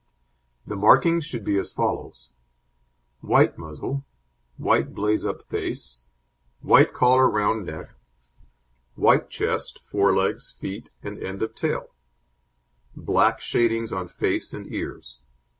The markings should be as follows; white muzzle, white blaze up face, white collar round neck; white chest, forelegs, feet, and end of tail; black shadings on face and ears.